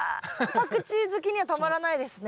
パクチー好きにはたまらないですね。